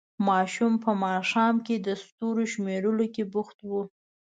ماشوم په ماښام کې د ستورو شمېرلو کې بوخت وو.